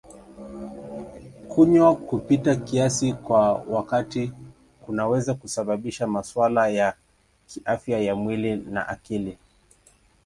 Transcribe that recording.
Kunywa kupita kiasi kwa wakati kunaweza kusababisha masuala ya kiafya ya mwili na akili.